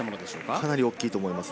かなり大きいと思います。